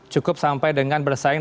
cukup sampai dengan bersaing